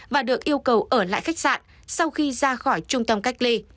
và được yêu cầu ở lại khách sạn sau khi ra khỏi trung tâm cách ly